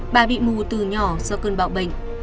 bà bị mù từ nhỏ do cơn bạo bệnh